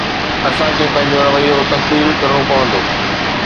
اسان کي پنهنجو رويو تبديل ڪرڻو پوندو.